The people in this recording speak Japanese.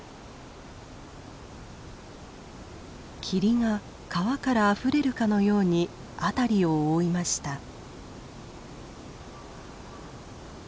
霧が川からあふれるかのように辺りを覆いました。